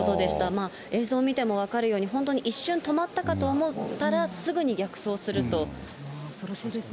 まあ映像を見ても分かるように、本当に一瞬止まったかと思ったら、恐ろしいですね。